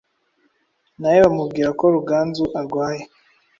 na we bamubwira ko Ruganzu arwaye.